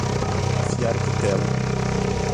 Afiar o cutelo